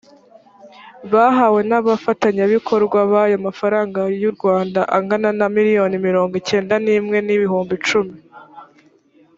bahawe n’abafatanyabikorwa bayo amafaranga y’u rwanda angana na miliyoni mirongo cyenda n’imwe n ibihumbi icumi